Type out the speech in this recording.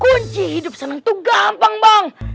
kunci hidup senang tuh gampang bang